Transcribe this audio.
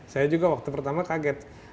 saya juga waktu pertama kaget